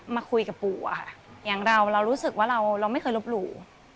มาคุยกับปู่อะค่ะอย่างเราเรารู้สึกว่าเราไม่เคยลบหลู่